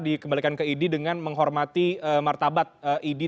dikembalikan ke idi dengan menghormati martabat idi